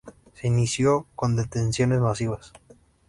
Se inició con detenciones masivas.